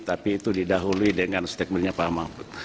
tapi itu didahului dengan statementnya pak mahfud